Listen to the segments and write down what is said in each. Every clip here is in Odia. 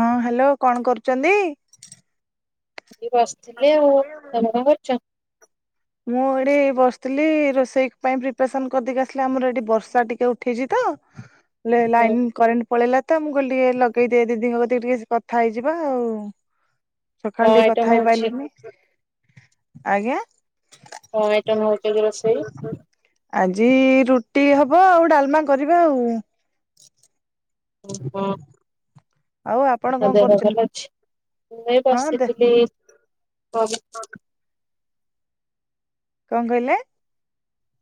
ହଁ। ହ୍ୟାଲୋ କଣ କରୁଛନ୍ତି? ଏ ବସିଥିଲି ଆଉ ତମେ କଣ କରୁଛ? ମୁଁ ହେଠି ବସିଥିଲି ରୋଷେଇ ପାଇଁ ପ୍ରିପାରସନ କରିଦେଇକି ଆସିଲି ଆମର ଏଠି ବର୍ଷା ଟିକେ ଉଠେଇଛି ତ। ଲେ ହଁ ଲାଇନ୍ କରେଣ୍ଟ ପଳେଇଲା। ତ ମୁଁ କହିଲ ଟିକେ ଲଗେଇଦିଏ ଦିଦିଙ୍କ କତିକି ଟିକେ କଥା ହେଇଯିବା ଆଉ। କଣ ସକାଳ ଟିକେ କଥା ଆଇଟମ ହଉଛି ହେଇପାରିଲିନି। ଆଜ୍ଞା। ହଁ ଏଟା [unintelligible] ରୋଷେଇ। ଆଜି ରୁଟି ହବ ଆଉ ଡାଲମା କରିବା ଆଉ। ହଁ। ଆଉ ଆପଣ ଆଉ କଣ ଦେହ ପା କରୁଛନ୍ତି? ଭଲ ଅଛି। ମୁଁଁ ଏଇ ହଁ ଦେ ବସିଥିଲି। [unintelligible] କଣ କହିଲେ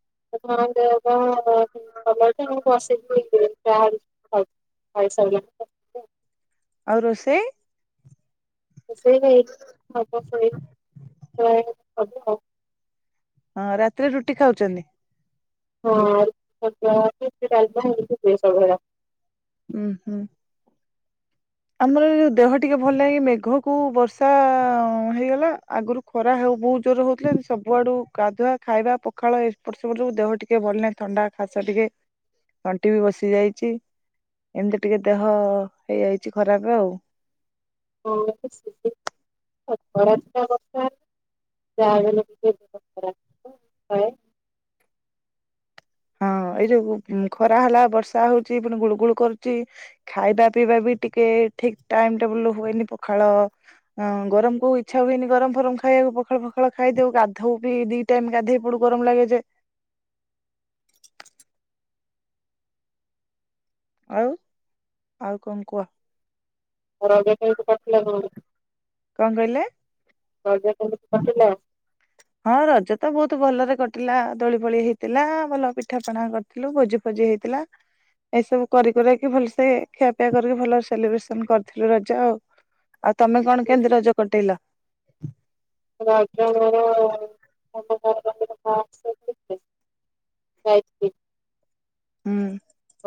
ଆପଣଙ୍କ ଦେହ କଣ [unintelligible] [unintelligible] ଖାଇ ଖାଇ ସାରିଲାଣି ତ ଆଉ ରୋଷେଇ? ସେ ଭାଇ ବା [unintelligible] ହଁ ରାତିରେ ରୁଟି ଖାଉଛନ୍ତି? ହଁ [unintelligible] ହୁଁ ହୁଁ। ଆମର ଦେହ ଟିକେ ଭଲ ହୋଇ ମେଘ କୁ ବର୍ଷା ହେଇଗଲା ଆଗରୁ ଖରା ହଉ ବହୁତ ଜୋର ହଉଥିଲେ ସବୁଆଡୁ ଗାଧୁଆ ଖାଇବା ପଖାଳ ଏପଟ ସେପଟ ସବୁ ଦେହ ଟିକେ ଭଲ ନାହିଁ ଥଣ୍ଡା ଖାସ ଟିକେ ତଣ୍ଟି ବି ବସି ଯାଇଛି ଏମିତି ଟିକେ ଦେହ ହେଇଯାଇ ଛି ଖରାପ ଆଉ। ଉଁ ଖରା ଦିନ କଥା ଯାହା ହେଲେ [inaudible] ହଁ ଏଇ ଯୋଉ ଖରା ହେଲା ବର୍ଷା ହଉଛି ପୁଣି ଗୁଳୁ ଗୁଳ କରୁଛି ଖାଇବା ପିଇବା ବି ଟିକେ ଠିକ ଟାଇମ ଟେବୁଲ ହୁଏନି ପଖାଳ ଗରମ କୁ ଇଛା ହୁଏନି ଗରମ ଫରମ ଖାଇବାକୁ ପଖାଳ ଫଖାଳ ଖାଇଦଉ ଗାଧଉ ବି ଦି ଟାଇମ ଗାଧୋଇ ପଡୁ ଗରମ ଲାଗେ ଯେ ଆଉ ଆଉ କଣ କୁହ? [unintelligible] କଣ କହିଲେ? ରଜ କେମିତି କାଟିଲା? ହଁ ରଜ ତ ବହୁତ ଭଲରେ କଟିଲା ଦୋଳି ପୋଳି ହେଇଥିଲା ଭଲ ପିଠା ପଣା କରିଥିଲୁ ଭୋଜି ଫୋଜି ହେଇଥିଲା ଏଇସବୁ କରି କୁରାକି ଭଲ ସେ ଖିଆ ପିଆ କରିକି ଭଲ ସେଲିବ୍ରେସନ କରିଥିଲୁ ରଜ ଆଉ ଆଉ ତମେ କଣ କେମିତି ରଜ କଟେଇଲ? [inaudible] [unintelligible] ହୁଁ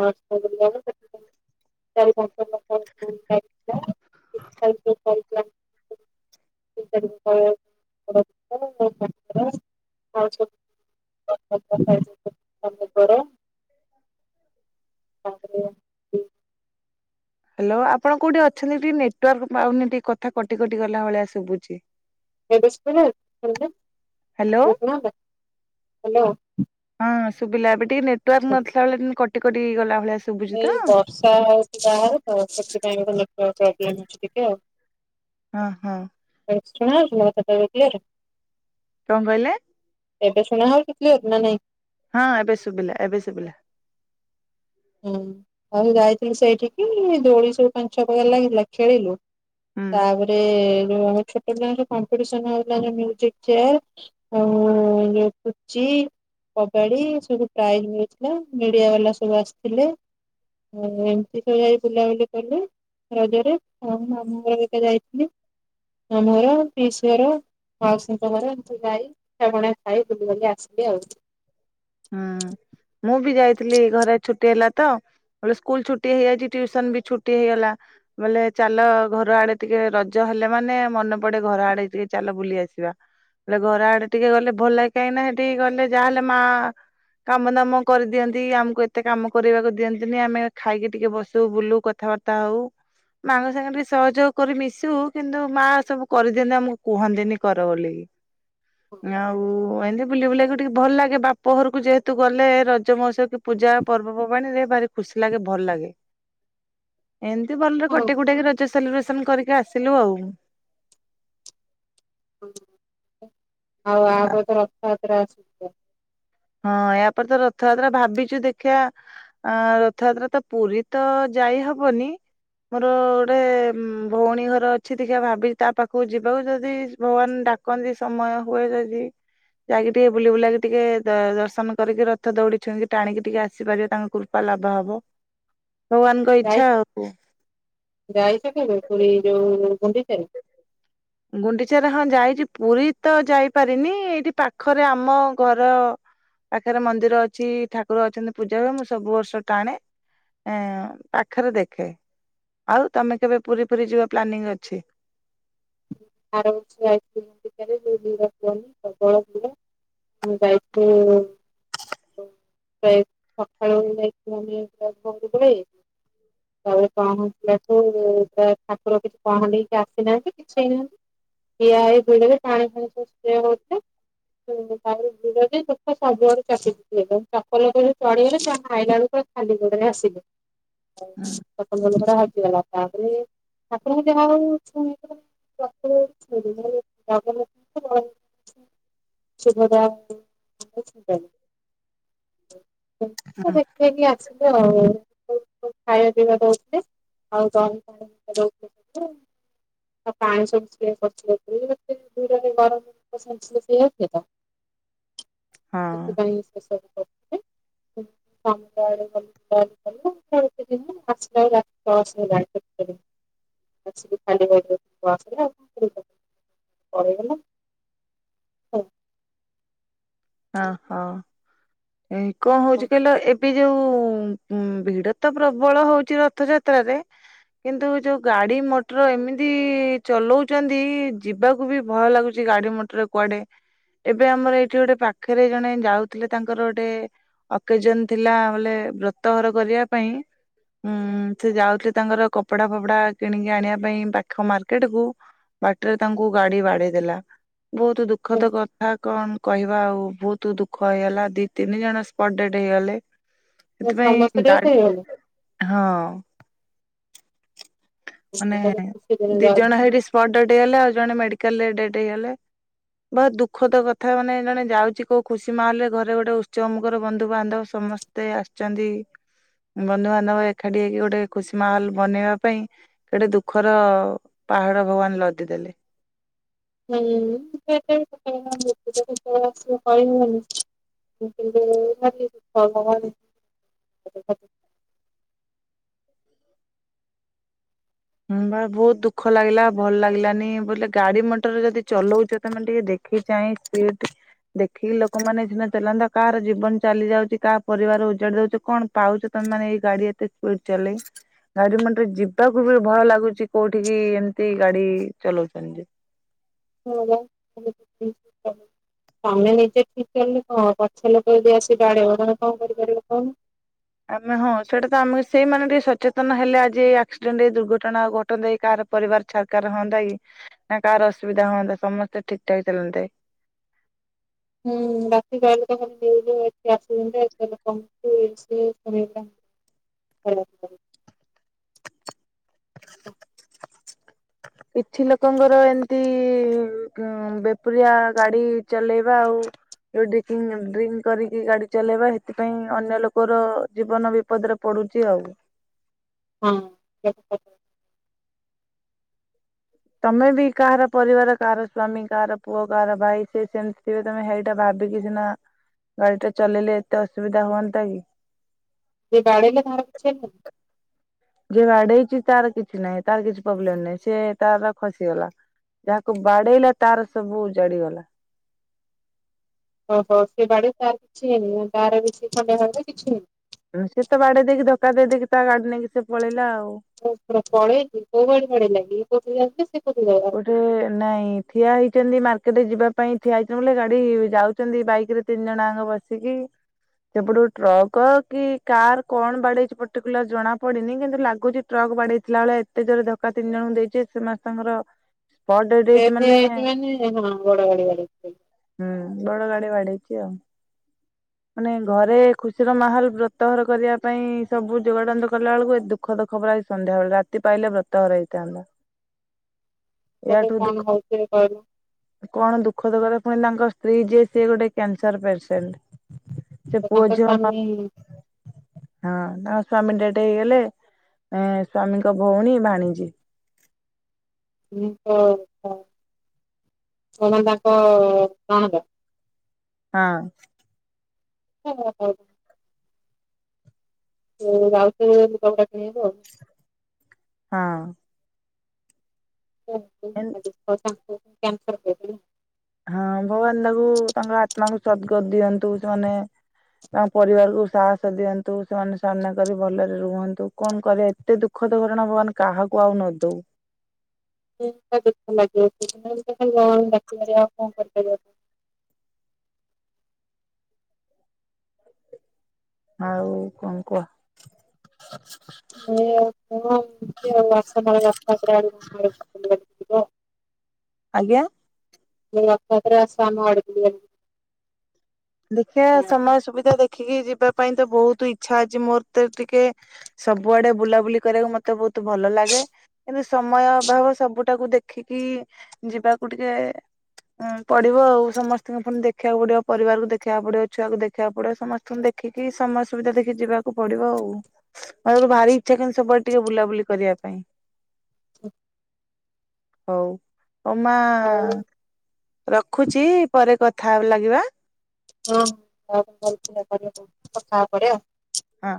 [unintelligible] [inaudible] ତାପରେ ହ୍ୟାଲୋ ଆପଣ କୋଉଠି ଅଛନ୍ତି ଟିକେ ନେଟୱାର୍କ ପାଉନି ଟିକେ କଥା କଟି କଟି ଗଲା ଭଳିଆ ଶୁଭୁଛି ହ୍ୟାଲୋ ହଁ [unintelligible] ଶୁଭିଲା ଏବେ ଟିକେ ନେଟୱର୍କ ନଥିଲା ଭଳିଆ କଟି କଟି କଟି ଗଲା ଭଳିଆ ଶୁଭୁଛି ତ ଏଇ ବର୍ଷା ହଉଚି ବାହାରେ ହଉ ସେଥିପାଇଁ ବୋଧେ ନେଟୱର୍କ ପ୍ରୋବେଲମ୍ ହଉଛି ଟିକେ ଆଉ ହଁ ହଁ ଶୁଣାଯାଉଥିଲା ସେତେବେଳେ କ୍ଲିଅର ରେ କଣ କହିଲେ ଏବେ ଶୁଣା ହଉଚି କ୍ଲିଅର ନା ନାଇଁ ହଁ ଏବେ ଶୁଭିଲା ଏବେ ଶୁଭିଲା ହୁଁ ଆଉ ଯାଇଥିଲୁ ସେଇଠିକି ଦୋଳି ସବୁ ପାଞ୍ଚ ଛଅ ପକାର ଲାଗିଥିଲା ଖେଳିଲୁ ହୁଁ ତାପରେ ଯୋଉ ଛୋଟ ପିଲାଙ୍କ କମ୍ପିଟେସନ ହୋଉଥିଲା ଯୋଉ ମ୍ୟୁଜିକ ଚେୟାର ଆଉ ଯଉ ପୁଚି କବାଡି ସବୁ ପ୍ରାଇଜ ମିଳିଥିଲା ମିଡିଆ ବାଲା ସବୁ ଆସିଥି [unintelligible] ଲେ ଏମିତି ବୁଲାବୁଲି କଲେ ରଜରେ ମାମୁଁ ଘର ହେରିକା ଯାଇଥିଲି ମାମୁଁ ଘର, ପିଇସି ଘର, ମାଉସୀଙ୍କ ଘର ଖାଇ ବୁଲିବୁଲା କି ଆସିଲି ଆଉ। [unintelligible] ହୁଁ ମୁଁ ବି ଯାଇଥିଲି ଘରେ ଛୁଟି ହେଲା ତ ବୋଲେ ସ୍କୁଲ ଛୁଟି ହେଇଯାଇଚି ଟ୍ୟୁସନ ବି ଛୁଟି ହେଇଗଲା ବୋଇଲେ ଚାଲ ଘର ଆଡେ ଟିକେ ରଜ ହେଲେ ମାନେ ମନେ ପଡେ ଘର ଆଡେ ଟିକେ ଚାଲ ବୁଲି ଆସିବା ବଲେ ଘର ଆଡେ ଟିକେ ଗଲେ ଭଲ କାହିଁକି ନା ହେ ଟିକେ ଗଲେ ଯାହା ହେଲେ ମା କାମ ଦାମ କରିଦିଅନ୍ତି ଆମକୁ ଏତେ କାମ କରିବାକୁ ଦିଅନ୍ତିନି ଆମେ ଖାଇକି ଟିକେ ବସୁ ବୁଲୁ କଥାବାର୍ତ୍ତା ହଉ ମାଙ୍କ ସାଙ୍ଗ ଟିକେ ସହଯୋଗ କରି ମିଶୁ କିନ୍ତୁ ମା ସବୁ କରିଦିଅନ୍ତି ଆମକୁ କୁହନ୍ତିନି କର ବୋଲିକି। ଆଉ ଏମିତ ବୁଲିବୁଲା କି ଟିକେ ଭଲ ଲାଗେ ବା ପ ଘରକୁ ଯେହେତୁ ଗଲେ ରଜ ମହୋତ୍ସବ କି ପୂଜା ପର୍ବପର୍ବାଣୀ ରେ ଭାରି ଖୁସି ଲାଗେ ଭଲ ଲାଗେ। ଏମିତି ଭଲରେ ହଁ କଟି କୁଟାକି ରଜ ସେଲିବ୍ରେସନ କରିକି ଆସିଲୁ ଆଉ। [unintelligible] ଆଉ ଆଉ କଣ କୁହ। ତାପରେ ଆସୁ ଜିବା। ହଁ ୟା ପରେ ତ ରଥଯାତ୍ରା ଭାବିଚି ଦେଖିଆ ରଥଯାତ୍ରା ତ ପୁରୀ ତ ଯାଇ ହବନି ମୋର ଗୋଟେ ଭଉଣୀ ଘର ଅଛି ଦେଖିଆ ଭାବିଚି ତା ପାଖକୁ ଯିବାକୁ ଯଦି ଭଗବାନ ଡାକନ୍ତି ସମୟ ହୁଏ ଯଦି ଯାଇକି ଟିକେ ବୁଲି ବୁଲାକି ଟିକେ ଦର୍ଶନ କରିକି ରଥ ଦୌଡି ଛୁଇଁକି ଟାଣିକି ଟିକେ ଆସିପାରିବି ତାଙ୍କ କୃପା ଲାଭ ହବ। ଭଗବାନଙ୍କ ଇଚ୍ଛା ଆଉ। ଯାଇ-ଯାଇଚ କେବେ ପୁରୀ ଯୋଉ ଗୁଣ୍ଡିଚା କୁ ଗୁଣ୍ଡିଚାରେ ହଁ ଯାଇଚି ପୁରୀତ ଯାଇପାରିନି ଏଇଠି ପାଖରେ ଆମ ଘର ପାଖରେ ମନ୍ଦିର ଅଛି ଠାକୁର ଅଛନ୍ତି ପୂଜା ହୁଏ ମୁଁ ସବୁ ବର୍ଷ ଟାଣେ ପାଖରେ ଦେଖେ ଆଉ ତମେ କେବେ ପୁରୀ ପୁରୀ ଯିବା ପ୍ଲାନିଂ ଅଛି? [unintelligible] ଯାଇଥିଲୁ ପ୍ରାୟ ସକାଳୁ ଯାଇଥିଲୁ ଆମେ ପ ଘ ବଳେ ତାପରେ ପହଞ୍ଚିଲଠୁା ଠାକୁର କିଛି ପହଣ୍ଡି ହେଇକି ଆସିନାହାନ୍ତି କିଛି ହେଇନାହାନ୍ତି। [unintelligible] ଠିଆ ଏଇ ବଳରେ ପାଣି ଫାଣି ସବୁ ସ୍ପ୍ରେ ହୋଉଚି ତାପରେ ସବୁଆଡୁ ଚାପି ଦେଲେ ଚପଲ ଉପରେ ଚଢିଗଲେ ଆଇଲା ବେଲକୁ ଖାଲି ଗୋଡରେ ଆସିଲି। ହୁଁ [inaudible] ଜୋତା ହଜିଗଲା ତାପରେ ଠାକୁରଙ୍କୁ ଯାହା ହୋଉ ଛୁଇଲୁ [inaudible] [unintelligible] ଦେଖିକି ଆସିଲୁ ଆଉ। ଖାଇବା ପିଇବା ହୁଁ ଦୋଉଥିଲେ ଆଉ ଦହି ପାଣି ଦୋଉଥିଲେ ଆଉ ପାଣି ସବୁ [inaudible] ଘର ଲୋକ ସେନ୍ସଲେସ ହେଇଯାଉଥିଲେ ତ। ହଁ ସେଥିପାଇଁ [inaudible] [inaudible] [inaudible] ହଁ ହଁ। ଏଇ କଣ ହୋଉଛିି କହିଲ ଏବେ ଯୋଉ ଭିଡତ ପ୍ରବଳ ହୋଉଚି ରଥଯାତ୍ରାରେ କିନ୍ତୁ ଯୋଉ ଗାଡି ମଟର ଏମିତି ଚଲଉଚନ୍ତି ଯିବାକୁ ବି ଭୟ ଲାଗୁଛି ଗାଡି ମଟର କୁଆଡେ ଏବେ ଆମର ଏଇଠି ଗୋଟେ ପା ଖରେ ଜଣେ ଯାଉଥିଲେ ତାଙ୍କର ଗୋଟେ ଅକେଜନ ଥିଲା ବୋଲେ ବ୍ରତ ଘର କରିବା ପାଇଁ ଉଁ ସେ ଯାଉଥିଲେ ତାଙ୍କର କପଡା ଫପଡା କିଣିକି ଆଣିବା ପାଇଁ ପାଖ ମାର୍କେଟ କୁ ବାଟରେ ତାଙ୍କୁ ଗାଡି ବାଡେଇ ଦେଲା। ବୋହୁତ ଦୁଃଖଦ କଥା କଣ କହିବା ଆଉ ବୋହୁତ ଦୁଃଖ ହେଇଗଲା ଦିଇ ତିନି ଜଣ ସ୍ପଟ ଡେଡ୍ ହେଇଗଲେ। ସମସ୍ତେ ସେଥିପାଇଁ ଟିକେ ଗାଁରେ ହଁ ମାନେ ହେଇଗଲେ ଖୁସି ଦିନ ଦି ଜଣ ଯାଉଛି ହେଇଠି ସ୍ପଟ ଡେଡ ହେଇଗଲେ ଆଉ ଜଣେ ମେଡିକାଲ ରେ ଡେ ଏଇ ହେଲା ବହୁତ ଦୁଃଖତ କଥା ମାନେ ଜଣେ ଯାଉଛି କୋଉ ଖୁସି ମାହୋଲରେ ଘରେ ଗୋଟେ ଉତ୍ସବ ମୁଖର ବନ୍ଧୁବାନ୍ଧବ ସମସ୍ତେ ଆସିଛନ୍ତି, ବନ୍ଧୁବାନ୍ଧବ ଏକାଠି ହେଇକି ଗୋଟେ ଖୁସି ମାହୋଲ ବନେଇବା ପାଇଁ ଗୋଟେ ଦୁଃଖର ପାହାଡ ଭଗବାନ ଲଦିଦେଲେ। ହୁଁ ସେଇଆ କିନ୍ତୁ [inaudible] ହ ବା ବହୁତ ଦୁଃଖ ଲାଗିଲା ଭଲ ଲାଗିଲାନି ବୋଲି ଗାଡି ମଟରରେ ଯଦି ଚଲଉଛ ତମେ ଟିକେ ଦେଖି ଚାହିଁ ସ୍ପିଡ ଦେଖିକି ଲୋକମାନେ ଏ ସିନା ଚଲାନ୍ତା କାହାର ଜୀବନ ଚାଲି ଯାଉଛି, କାହା ପରିବାର ଉଜାଡି ଦଉଛ, କଣ ପାଉଛ ତମେ ମାନେ ଏଇ ଗାଡି ଏତେ ସ୍ପିଡ ଚଲେଇ, ଗାଡି ମଟର ଯିବାକୁ ବି ଭଲ ଲାଗୁଛି କୋଉଠିକି ଏମିତି ଗାଡି ଚଲାଉଛନ୍ତି ଯେ? [inaudible] ତମେ ନିଜେ ଠିକ ଚଲେଇଲେ କଣ ହବ ପଛ ଲୋକ ଯଦି ଆସି ବାଡେଇବ ତମେ କଣ କରିପାରିବ କହୁନ। ଆମେ ହଁ ସେଇଟା ତ ଆମ ସେଇମାନେ ଟିକେ ସଚେତନ ହେଲେ ଆଜି ଏଇ ଆକ୍ସିଡେଣ୍ଟ ଏଇ ଦୁର୍ଘଟଣା ଘଟନ୍ତା କି, କାହାର ପରିବାର ଛାରକାର ହୁଅନ୍ତା କି, ନା କାହାର ଅସୁବିଧା ହୁଅନ୍ତା, ସମସ୍ତେ ଠିକ ଠାକ୍ ଚାଲନ୍ତେ। ହୁଁ ରାତି କହିଲ ତ [inaudible] ହ। କିଛି ଲୋକଙ୍କର ଏମିତି ବେପୁରିଆ ଗାଡି ଚଲେଇବା ଆଉ ଡ୍ରିକିଂ ଡ୍ରିଙ୍କ କରିକି ଗାଡି ଚଲେଇବା ସେଥିପାଇଁ ଅନ୍ୟ ଲୋକର ଜୀବନ ବିପଦରେ ପଡୁଛି ଆଉ। ହଁ [inaudible] ତମେ ବି କାହାର ପରିବାର, କାହାର ସ୍ଵାମୀ, କାହାର ପୁଅ, କାହାର ଭାଇ, ସେ ସେମିତି ଥିବେ ତମେ ସେଇଟା ଭାବିକି ସିନା ଗାଡି ଟା ଚଲେଇଲେ ଏତେ ଅସୁବିଧା ହୁଅନ୍ତା କି? ଯେ ବାଡେଇଲା ତାଙ୍କର କିଛି ହେଲା କି? ଯିଏ ବାଡେଇଛି ତାର କିଛି ନାହିଁ, ତାର କିଛି ପ୍ରୋବ୍ଲେମ ନାହିଁ, ସେ ତାର ଖସିଗଲା, ଯାହାକୁ ବାଡେଇଲା ତାର ସବୁ ଉଜାଡ଼ିଗଲା। ଓଃ ହୋ ଯିଏ ବାଡେଇଛି ତାର କିଛି ହେଇନି ନା ତାର ବି ଖଣ୍ଡିଆ ଖାବରା କିଛି ହେଇନି? ସେ ତ ବାଡେଇ ଦେଇକି ଧକ୍କା ଦେଇ ଦେଇକି ତା ଗାଡି ନେଇକି ସେ ପଳେଇଲା ଆଉ। ପଳେଇଛି, କୋଉ ବାଟେ ପଳେଇଲା କି? ବୁଝି ଯାଉଛି ସେ କୋଉଠିକି ଯାଉଥିଲେ। ଗୋଟେ ନାଇଁ ଠିଆ ହେଇଛନ୍ତି ମାର୍କେଟରେ ଯିବା ପାଇଁ ଠିଆ ହେଇଛନ୍ତି ଗାଡି ଯାଉଛନ୍ତି ବାଇକ ରେ ତିନି ଜଣ ଆଙ୍କ ବସିକି, ସେପଟୁ ଟ୍ରକ କି କାର କଣ ବାଡେଇଛି ପର୍ଟିକୁଲାର ଜଣା ପଡନି, କିନ୍ତୁ ଲାଗୁଛି ଟ୍ରକ୍ ବାଡେଇଥିଲା ଭଳିଆ ଏତେ ଜୋରେ ଧକ୍କା ତିନି ଜଣଙ୍କୁ ଦେଇଛି ସମସ୍ତଙ୍କର ସ୍ପଟ ଡେଡ୍ ହେଇଛି ଡେଥ ମାନେ ହେଇଯାଇଛି ମାନେ ହଁ ବଡ଼ ଗାଡ଼ି ବାଡେଇ ଥିବ। କେଆଣି। ମାନେ ଘରେ ଖୁସିର ମାହୋଲ ବ୍ରତହର କରିବା ପାଇଁ ସବୁ ଯୋଗାଡ ଯନ୍ତ କଲା ବେଳକୁ ଦୁଃଖ ଦୁଖବ ସନ୍ଧ୍ୟାବେଳେ, ରାତି ପାଇଲେ ବ୍ରତ ହର ହେଇଥାନ୍ତା। ତାପରେ ଏହାଠୁ କଣ ଦୁଃଖ, ହଉଥିବେ କହିଲ କଣ ଦୁଃଖଦ କରେ ପୁଣି ତାଙ୍କ ତୁ ଯେ ସେ ଗୋଟେ କ୍ୟାନସର ପେସେଣ୍ଟ। ସେ ତ ପୁଅଝିଅ ହଁ ତାଙ୍କ ସ୍ଵାମୀ ସ୍ୱାମୀ ଡେଡ ଗୋଟେ ହେଇଗଲେ ଏ ସ୍ଵାମୀଙ୍କ ଭଉଣୀ ଭାଣୀଜୀ। [inaudible] ମାନେ ତାଙ୍କ ନଣନ୍ଦ। ହଁ। [unintelligible] [unintelligible] ହଁ। [unintelligible] [unintelligible] ହଁ ଭଗବାନ ତାକୁ ତାଙ୍କ ଆତ୍ମାକୁ ସଦ୍ଗତିି ଦିଅନ୍ତୁ, ସେମାନେ ତାଙ୍କ ପରିବାରକୁ ସାହସ ଦିଅନ୍ତୁ, ସେମାନେ ସାମ୍ନା କରି ଭଲରେ ରୁହନ୍ତୁ, କଣ କରିବା ଏତେ ଦୁଃଖଦ ଘଟଣା ଭଗବାନ କାହାକୁ ଆଉ ନଦଉ। ଦୁଃଖ ଲାଗିବ [inaudible] ଭଗବାନଙ୍କୁ ଡାକିପାରିବା ଆଉ କଣ କରିପାରିବା। ଆଉ କଣ କୁହ। [unintelligible] ବ ଆଜ୍ଞା। ମୁଁ ଆପଣଙ୍କର [unintelligible] ଦେଖିବା ସମୟ ସୁବିଧା ଦେଖି ଦେଖିକି ଯିବା ପାଇଁ ତ ବହୁତ ଇଛା ଅଛି ମୋର ତ ଟିକେ ସବୁଆଡେ ବୁଲାବୁଲି କରିବାକୁ ମତେ ବହୁତ ତୁ ଭଲ ଲାଗେ କିନ୍ତୁ ସମୟ ଅଭାବ ସବୁଟାକୁ ଦେଖିକି ଯିବାକୁ ଟିକେ ପଡିବ ଆଉ ସମସ୍ତଙ୍କ ପୁଣି ଦେଖିବାକୁ ପଡିବ ପରିବାରକୁ ଦେଖ ଦେଖିବାକୁ ପଡିବ ଛୁଆକୁ ଦେଖିବାକୁ ପଡିବ ସମସ୍ତଙ୍କୁ ଦେଖିକି ସମୟ ସୁବିଧା ଦେଖି ଯିବାକୁ ପଡିବ ଆଉ ମାନେ ଗୋ ଭାରି ଇଛା କେନତି ସବୁଆଡେ ଟିକେ ବୁଲାବୁଲି କରିବା ପାଇଁ। [inaudible] ହଉ। ହଉ ମା ଆଉ ରଖୁଛି ପରେ କଥା ଲାଗିବା। ହଁ [unintelligible] କଥା ହବା ପରେ। ହଁ।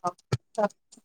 ହ [unintelligible]